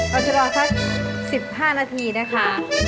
เราจะรอสัก๑๕นาทีนะคะ